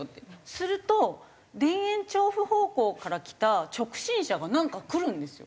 すると田園調布方向から来た直進車がなんか来るんですよ。